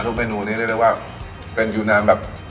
ทุกเมนูนี้ได้เรียกว่าเป็นอยู่นานแบบ